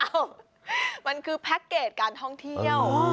เอ้ามันคือแพ็คเกจการท่องเที่ยว